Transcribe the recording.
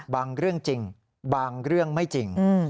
เรื่องจริงบางเรื่องไม่จริง